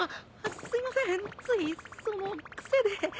すいませんついその癖で。